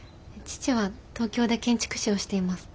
父は東京で建築士をしています。